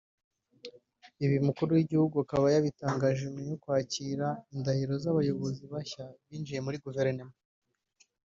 Ibi Umukuru w’Igihugu akaba yabitangaje nyuma yo kwakira indahiro z’abayobozi bashya binjiye muri Guverinoma